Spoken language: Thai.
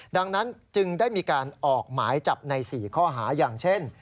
ดังนั้นจึงได้มีการออกหมายจับใน๔ข้อหาอย่างเช่น